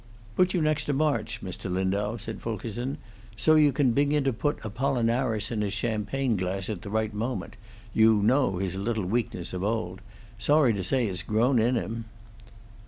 "Put you next to March, Mr. Lindau," said Fulkerson, "so you can begin to put Apollinaris in his champagne glass at the right moment; you know his little weakness of old; sorry to say it's grown on him."